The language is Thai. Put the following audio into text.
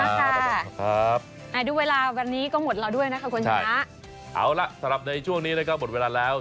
ด้วยเวลาวันนี้ก็หมดแล้วด้วยนะครับคุณชาเอาล่ะสำหรับในช่วงนี้แล้วก็หมดเวลาแล้ว